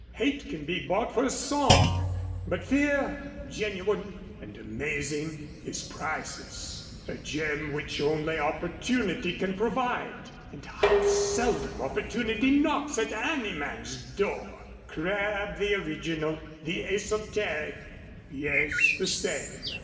Hate can be bought for a song; but fear, genuine and amazing, is priceless a gem which only opportunity can provide; and how seldom opportunity knocks at any man's door!" "Crabb the original the esoteric!" "Yes. The same.